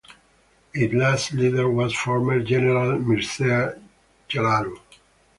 Its last leader was former General Mircea Chelaru.